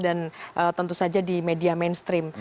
dan tentu saja di media mainstream